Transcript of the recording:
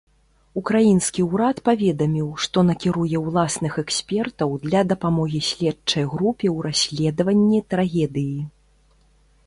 Украінскі ўрад паведаміў, што накіруе ўласных экспертаў для дапамогі следчай групе ў расследаванні трагедыі.